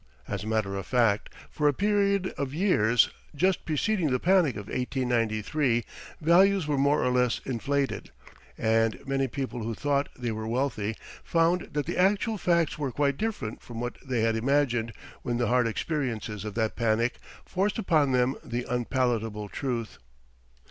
As a matter of fact, for a period of years just preceding the panic of 1893, values were more or less inflated, and many people who thought they were wealthy found that the actual facts were quite different from what they had imagined when the hard experiences of that panic forced upon them the unpalatable truth.